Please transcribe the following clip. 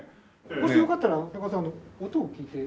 もしよかったら高田さん音を聴いて。